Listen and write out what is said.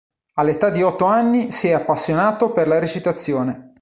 All'età di otto anni si è appassionato per la recitazione.